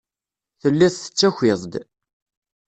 Tellid tettakid-d.